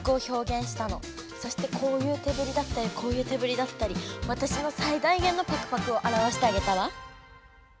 そしてこういう手ぶりだったりこういう手ぶりだったりわたしのさい大げんの「パクパク」をあらわしてあげたわ。